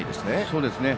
そうですね。